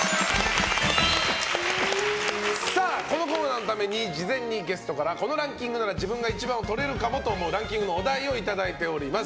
このコーナーのために事前にゲストからこのランキングなら自分が１番をとれるかもと思うランキングのお題をいただいております。